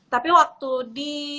tapi waktu di